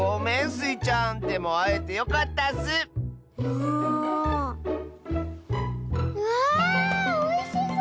うわあおいしそう！